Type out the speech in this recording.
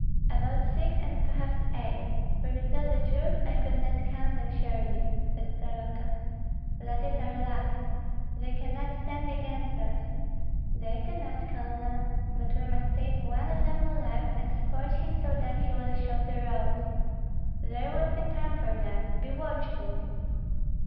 "About six, and perhaps eight; for to tell the truth I could not count them surely," said Soroka. "That is our luck! They cannot stand against us." "They cannot. Colonel; but we must take one of them alive, and scorch him so that he will show the road." "There will be time for that. Be watchful!"